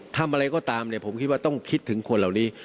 ทำอะไรก็ตามเนี่ยผมคิดว่าต้องคิดถึงคนเหล่านี้